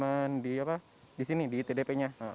saya minjaman di itdp nya